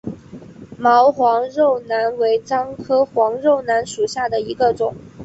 毛黄肉楠为樟科黄肉楠属下的一个种。